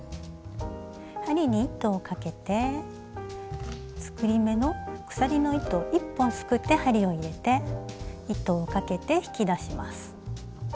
針に糸をかけて作り目の鎖の糸を一本すくって針を入れて糸をかけて引き出します。